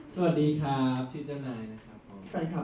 สวัสดีครับชื่อเจ้านายนะครับผม